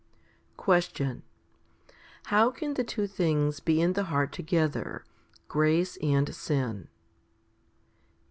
7. Question. How can the two things be in the heart together, grace and sin?